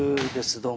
どうも。